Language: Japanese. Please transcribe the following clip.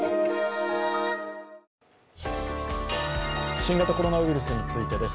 新型コロナウイルスについてです。